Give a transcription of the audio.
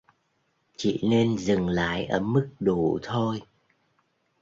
Chỉ nên dừng lại ở mức đủ thôi